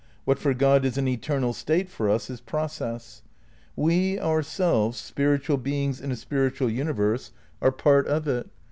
What for God is an eternal state for us is process. We, ourselves, spirit ual beings in a spiritual universe, are part of it.